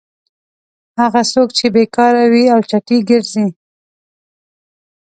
هغه څوک چې بېکاره وي او چټي ګرځي.